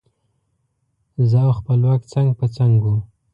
زه او خپلواک څنګ په څنګ وو.